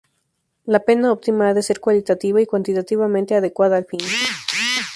La pena optima ha de ser cualitativa y cuantitativamente adecuada al fin.